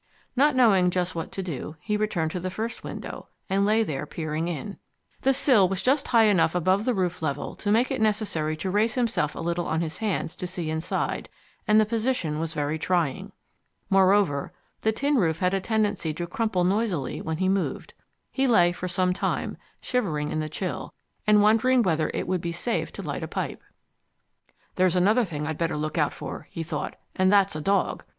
Not knowing just what to do, he returned to the first window, and lay there peering in. The sill was just high enough above the roof level to make it necessary to raise himself a little on his hands to see inside, and the position was very trying. Moreover, the tin roof had a tendency to crumple noisily when he moved. He lay for some time, shivering in the chill, and wondering whether it would be safe to light a pipe. "There's another thing I'd better look out for," he thought, "and that's a dog.